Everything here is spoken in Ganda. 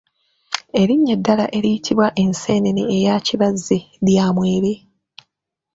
Erinnya eddala eriyitibwa enseenene eya Kibazzi lya Mwebe.